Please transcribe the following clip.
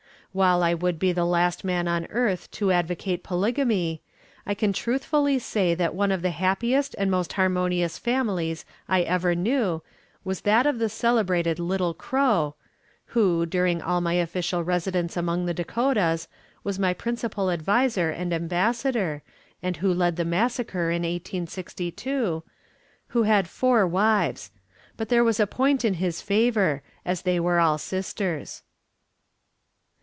While I would be the last man on earth to advocate polygamy, I can truthfully say that one of the happiest and most harmonious families I ever knew was that of the celebrated Little Crow (who, during all my official residence among the Dakotas, was my principal advisor and ambassador, and who led the massacre in 1862), who had four wives; but there was a point in his favor, as they were all sisters.